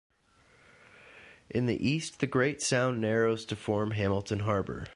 In the east, the Great Sound narrows to form Hamilton Harbour.